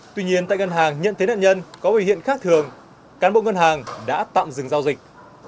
tuy nhiên tại ngân hàng nhận thấy nạn nhân có biểu hiện khác thường cán bộ ngân hàng đã tạm dừng giao dịch